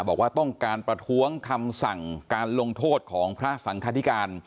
บอกว่าต้องการประท้วงคำสั่งการลงโทษของพระสังคธิการ